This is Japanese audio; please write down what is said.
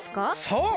そう！